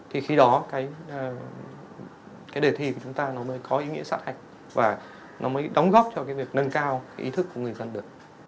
thì khi đó cái đề thi của chúng ta nó mới có ý nghĩa sát hạch và nó mới đóng góp cho cái việc nâng cao cái ý thức của người dân được